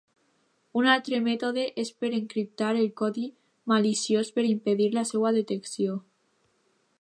Un altre mètode és per encriptar el codi maliciós per impedir la seva detecció.